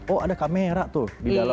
oh ada kamera tuh di dalam